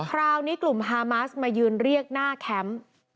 คราวนี้กลุ่มฮามาสมายืนเรียกหน้าแคมป์